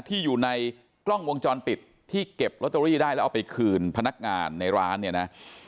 ที่อยู่ในกล้องวงจรปิดที่เก็บลอตเตอรี่ได้แล้วเอาไปคืนพนักงานในร้านเนี่ยนะ